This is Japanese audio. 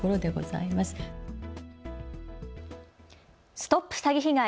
ＳＴＯＰ詐欺被害！